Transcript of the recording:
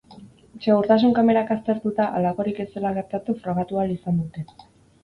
Segurtasun kamerak aztertuta, halakorik ez zela gertatu frogatu ahal izan dute.